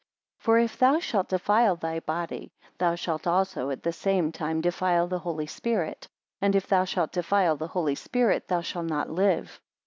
For if thou shalt defile thy body, thou shalt also at the same time defile the Holy Spirit; and if thou shalt defile the Holy Spirit, thou shall not live.